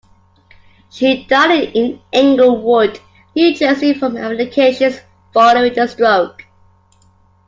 She died in Englewood, New Jersey, from complications following a stroke.